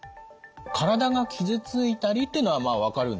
「身体が傷ついたり」というのはまあ分かるんですよね。